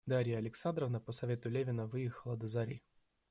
Дарья Александровна по совету Левина выехала до зари.